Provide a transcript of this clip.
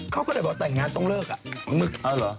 เขาก็ได้บอกแต่งงานต้องเลิก